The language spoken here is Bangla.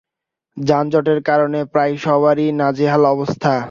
যানজটের কারণে প্রায় সবারই নাজেহাল অবস্থা।